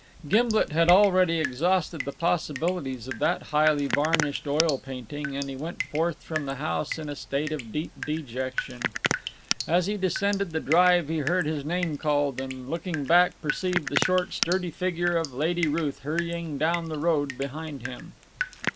Gimblet had already exhausted the possibilities of that highly varnished oil painting, and he went forth from the house in a state of deep dejection. As he descended the drive he heard his name called, and looking back perceived the short, sturdy figure of Lady Ruth hurrying down the road behind him.